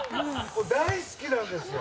もう大好きなんですよ。